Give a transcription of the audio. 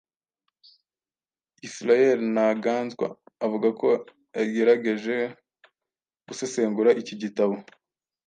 Israel Ntaganzwa, avuga ko yagerageje gusesengura iki gitabo,